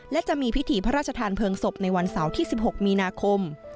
และจะมีพิธีพระราชทานเพลิงศพในวันเสาร์ที่๑๖มีนาคม